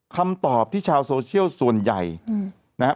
คำตอบที่ชาวโซเชียลส่วนใหญ่นะฮะ